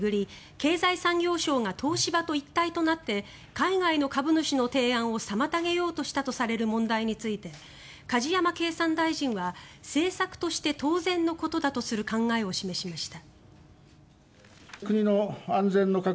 経済産業省が東芝と一体となって海外の株主の提案を妨げようとしたとされる問題について梶山経産大臣は政策として当然のことだとする考えを示しました。